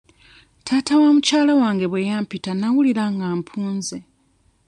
Taata wa mukyala wange bwe yampita nnawulira nga mpunze.